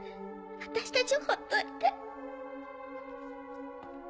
私たちをほっといて。